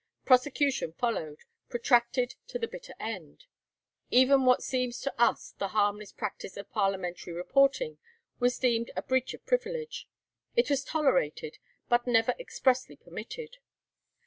Prosecution followed, protracted to the bitter end. Even what seems to us the harmless practice of parliamentary reporting was deemed a breach of privilege; it was tolerated, but never expressly permitted.